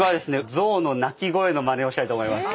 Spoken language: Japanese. ゾウの鳴き声のまねをしたいと思います。